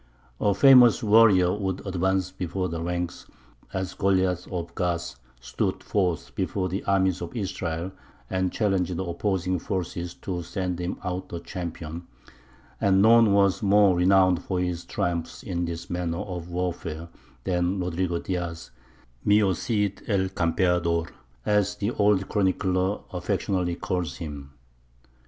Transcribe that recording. A famous warrior would advance before the ranks, as Goliath of Gath stood forth before the armies of Israel, and challenge the opposing forces to send him out a champion; and none was more renowned for his triumphs in this manner of warfare than Rodrigo Diaz, "myo Cid el Campeador," as the old chronicler affectionately calls him.